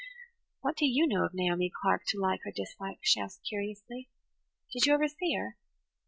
"What do you know of Naomi Clark to like or dislike?" she asked curiously. "Did you ever see her?"